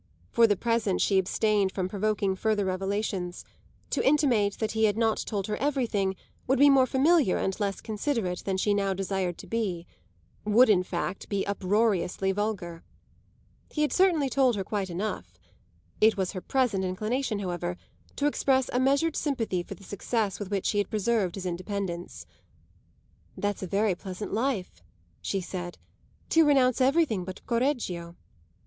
For the present she abstained from provoking further revelations; to intimate that he had not told her everything would be more familiar and less considerate than she now desired to be would in fact be uproariously vulgar. He had certainly told her quite enough. It was her present inclination, however, to express a measured sympathy for the success with which he had preserved his independence. "That's a very pleasant life," she said, "to renounce everything but Correggio!"